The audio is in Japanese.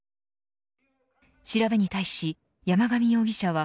調べに対し、山上容疑者は